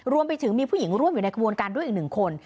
รวมถึงมีผู้หญิงร่วมอยู่ในกระบวนการด้วยอีกหนึ่งคน